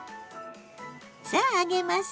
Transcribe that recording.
さあ揚げます。